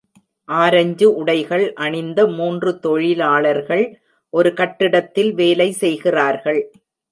Orange உடைகள் அணிந்த மூன்று தொழிலாளர்கள் ஒரு கட்டிடத்தில் வேலை செய்கிறார்கள்.